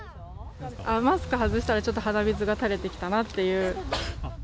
マスクを外したら、ちょっと鼻水が垂れてきたなっていう。